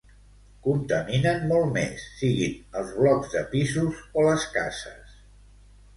Contaminen molt més, siguin els blocs de pisos o les cases.